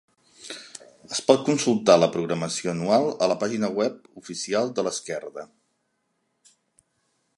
Es pot consultar la programació anual a la pàgina web oficial de l’Esquerda.